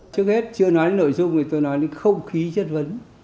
trước hết chưa nói nội dung thì tôi nói đến không khí chất vấn